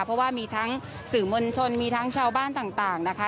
เพราะว่ามีทั้งสื่อมวลชนมีทั้งชาวบ้านต่างนะคะ